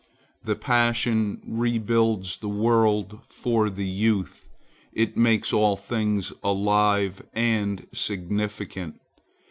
The passion rebuilds the world for the youth. It makes all things alive and significant.